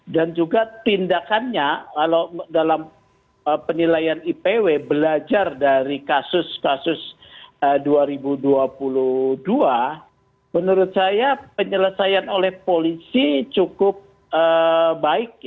dan juga tindakannya dalam penilaian ipw belajar dari kasus kasus dua ribu dua puluh dua menurut saya penyelesaian oleh polisi cukup baik